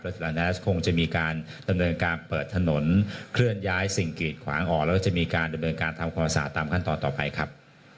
สถานะคงจะมีการดำเนินการเปิดถนนเคลื่อนย้ายสิ่งกีดขวางออกแล้วก็จะมีการดำเนินการทำความสะอาดตามขั้นตอนต่อไปครับ